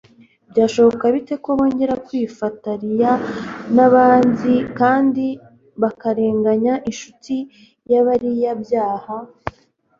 Byashoboka bite ko bongera kwifatariya n'abanzi kandi bakarennganya Inshuti y'abariyabyaha'?